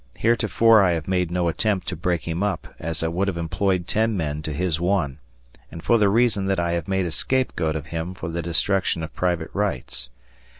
Heretofore I have made no attempt to break him up, as I would have employed ten men to his one, and for the reason that I have made a scapegoat of him for the destruction of private rights.